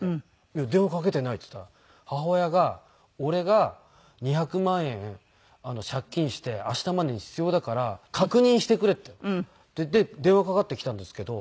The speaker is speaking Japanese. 「いや電話かけてない」って言ったら母親が俺が２００万円借金して明日までに必要だから確認してくれって電話かかってきたんですけど。